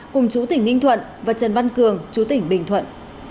cùng chủ tỉnh ninh thuận và trần văn cường chủ tỉnh bình thuận